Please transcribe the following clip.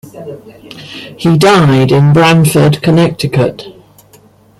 He died in Branford, Connecticut.